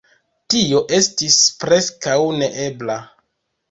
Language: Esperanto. Tio estis preskaŭ neebla!